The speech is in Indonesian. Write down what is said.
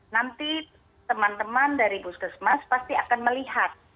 nanti teman teman dari puskesmas pasti akan melihat